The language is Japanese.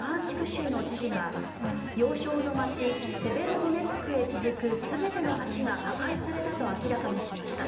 州の知事が要衝の街セベロドネツクへ続く全ての橋が破壊されたと明らかにしました。